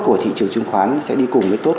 của thị trường chứng khoán sẽ đi cùng với tốt